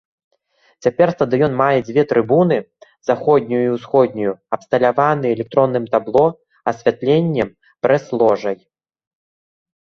Цяпер стадыён мае дзве трыбуны, заходнюю і ўсходнюю, абсталяваны электронным табло, асвятленнем, прэс-ложай.